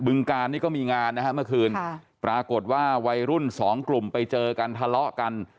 ึงการนี่ก็มีงานนะฮะเมื่อคืนปรากฏว่าวัยรุ่นสองกลุ่มไปเจอกันทะเลาะกัน